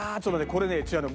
これね違うの。